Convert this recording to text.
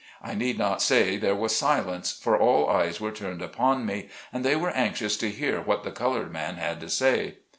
I need not say there was silence, for all eyes were turned toward me, and they were anxious to hear what the colored man had to say.